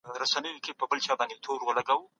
موږ له نورو سره متقابلې اړیکې لرو.